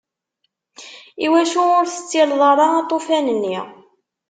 Iwacu ur tettileḍ ara aṭufan-nni?